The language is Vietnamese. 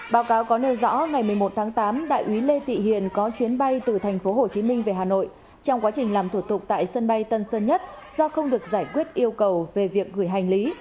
báo cáo có nêu rõ ngày một mươi một tháng tám đại úy lê thị hiền có chuyến bay từ thành phố hồ chí minh về hà nội trong quá trình làm thuật tục tại sân bay tân sơn nhất do không được giải quyết yêu cầu về việc gửi hành lý